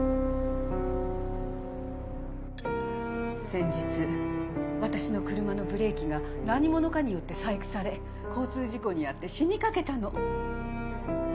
先日私の車のブレーキが何者かによって細工され交通事故に遭って死にかけたの。